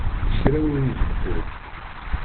Kra ur ibeddel.